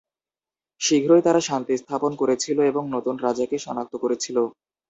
শীঘ্রই তারা শান্তি স্থাপন করেছিল এবং নতুন রাজাকে শনাক্ত করেছিল।